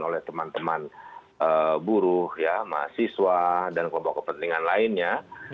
oleh teman teman buruh mahasiswa dan kelompok kepentingan lainnya